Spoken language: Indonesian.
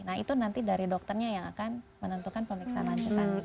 nah itu nanti dari dokternya yang akan menentukan pemeriksaan lanjutan